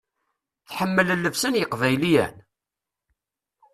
Tḥemmel llebsa n yeqbayliyen?